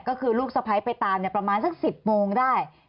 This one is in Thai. ก็คือลูกสะพ้ายไปตามประมาณสัก๑๐โมงได้